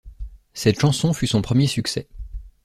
Cette chanson fut son premier succès.